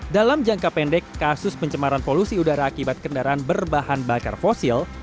dalam jangka pendek kasus pencemaran polusi udara akibat kendaraan berbahan bakar fosil